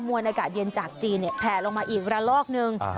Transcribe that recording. มวลอากาศเย็นจากจีนแผลลงมาอีกระลอกนึง